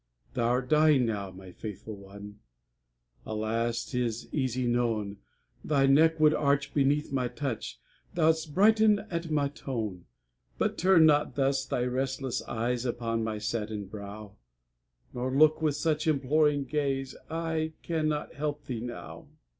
Thou'rt dying now, my faithful one, Alas! 'tis easy known Thy neck would arch beneath my touch, Thou'dst brighten at my tone; But turn not thus thy restless eyes Upon my saddened brow, Nor look with such imploring gaze I cannot help thee now.